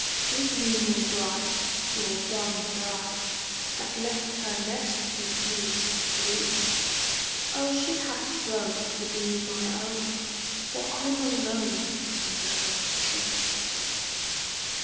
"Give me your bride, your bonnie bride, That left her nest with you to flee! O, she hath flown to be my own, For I'm alone on the gallows tree!"